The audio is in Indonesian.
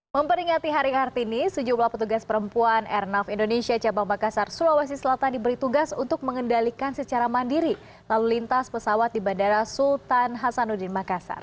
memperingati hari kartini sejumlah petugas perempuan airnav indonesia cabang makassar sulawesi selatan diberi tugas untuk mengendalikan secara mandiri lalu lintas pesawat di bandara sultan hasanuddin makassar